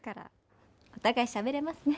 お互いしゃべれますね。